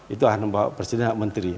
itu akan membawa presiden dan menteri